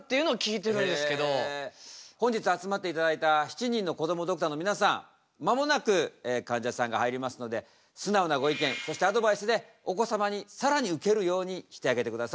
本日集まっていただいた７人のこどもドクターの皆さん間もなくかんじゃさんが入りますので素直なご意見そしてアドバイスでお子様に更にウケるようにしてあげてください。